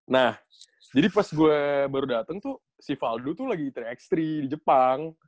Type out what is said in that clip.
nah jadi pas gue baru dateng tuh si valdo tuh lagi tiga x tiga di jepang